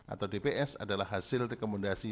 atau dps adalah hasil rekomendasi